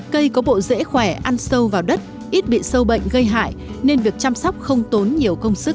cây có bộ dễ khỏe ăn sâu vào đất ít bị sâu bệnh gây hại nên việc chăm sóc không tốn nhiều công sức